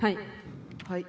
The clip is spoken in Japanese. はい。